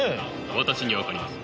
私には分かります。